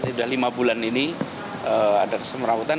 jadi sudah lima bulan ini ada kesemrautan